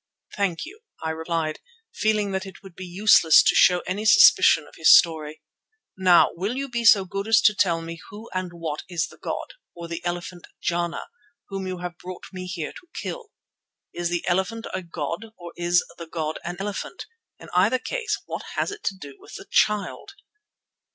"Thank you," I replied, feeling that it would be useless to show any suspicion of his story. "Now will you be so good as to tell me who and what is the god, or the elephant Jana, whom you have brought me here to kill? Is the elephant a god, or is the god an elephant? In either case what has it to do with the Child?"